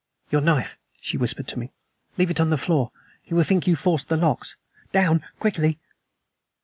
"Your knife," she whispered to me. "Leave it on the floor. He will think you forced the locks. Down! Quickly!"